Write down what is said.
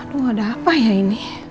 aduh ada apa ya ini